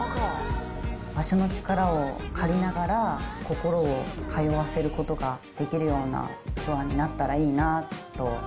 場所の力を借りながら、心を通わせることができるようなツアーになったらいいなと。